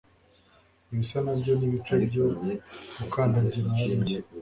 ibisa nabyo nibice byo gukandagira hariya